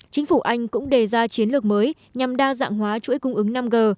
chính phủ anh cũng đề ra chiến lược mới nhằm đa dạng hóa chuỗi cung ứng năm g